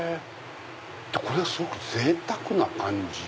これはすごくぜいたくな感じ。